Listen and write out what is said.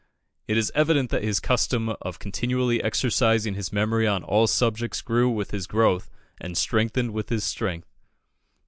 It is evident that his custom of continually exercising his memory on all subjects grew with his growth and strengthened with his strength.